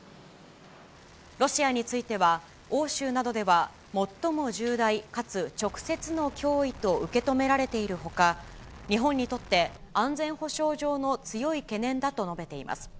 ロシアについては、欧州などでは最も重大かつ直接の脅威と受け止められているほか、日本にとって安全保障上の強い懸念だと述べています。